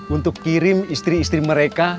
untuk kirim istri istri mereka